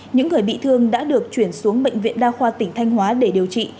những người bị thương đã được chuyển xuống bệnh viện đa khoa tỉnh thanh hóa để điều trị